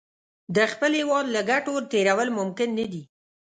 د خپل هېواد له ګټو تېرول ممکن نه دي.